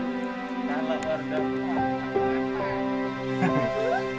ketika pak wand baik diigma